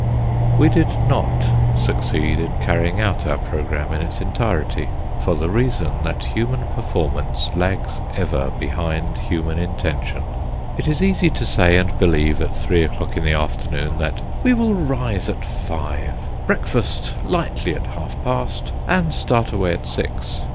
We did not succeed in carrying out our programme in its entirety, for the reason that human performance lags ever behind human intention. It is easy to say and believe at three o'clock in the afternoon that: "We will rise at five, breakfast lightly at half past, and start away at six."